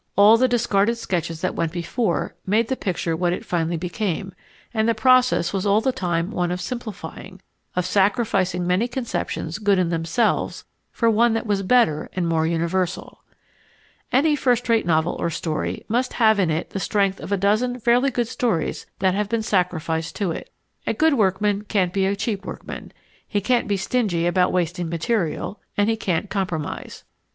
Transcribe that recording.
All the discarded sketches that went before made the picture what it finally became, and the process was all the time one of simplifying, of sacrificing many conceptions good in themselves for one that was better and more universal. Any first rate novel or story must have in it the strength of a dozen fairly good stories that have been sacrificed to it. A good workman can't be a cheap workman; he can't be stingy about wasting material, and he cannot compromise.